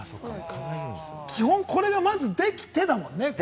基本これがまずできて、だもんね。